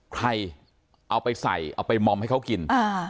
ใครเอาไปใส่เอาไปมอมให้เขากิน